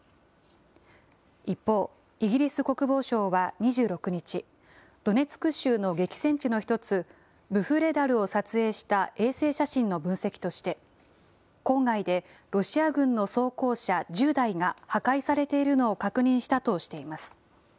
一方、イギリス国防省は２６日、ドネツク州の激戦地の１つ、ブフレダルを撮影した衛星写真の分析として、郊外でロシア軍の装甲車１０台が破壊されているのを確認したとしています。